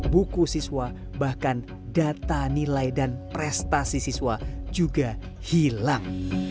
buku siswa bahkan data nilai dan prestasi siswa juga hilang